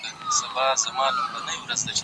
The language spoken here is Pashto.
ایا زور او جبر مطالعې ته ګټه رسوي؟